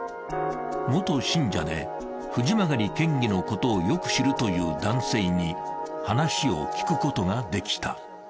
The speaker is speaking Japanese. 元信者で、藤曲県議のことをよく知るという男性に話を聞くことができた。